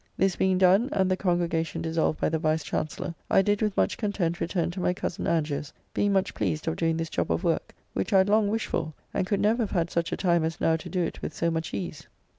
This being done, and the Congregation dissolved by the Vice Chancellor, I did with much content return to my Cozen Angier's, being much pleased of doing this jobb of work, which I had long wished for and could never have had such a time as now to do it with so much ease.